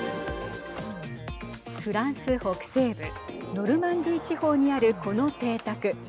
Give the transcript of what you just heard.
フランス北西部ノルマンディー地方にあるこの邸宅。